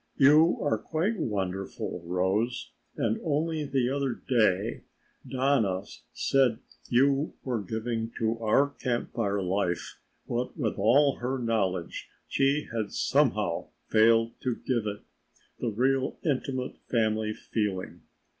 "You are quite wonderful, Rose, and only the other day Donna said you were giving to our Camp Fire life what with all her knowledge she had somehow failed to give it the real intimate family feeling.